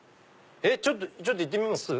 ちょっと行ってみます？